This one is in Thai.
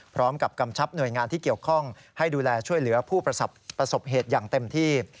กำชับหน่วยงานที่เกี่ยวข้องให้ดูแลช่วยเหลือผู้ประสบเหตุอย่างเต็มที่